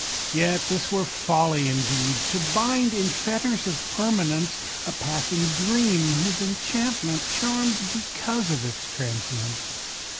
Yet, this were folly indeed; to bind, in fetters of permanence, A passing dream whose enchantment charms because of its trancience.